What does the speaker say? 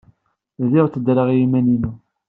Bdiɣ tteddreɣ i yiman-inu.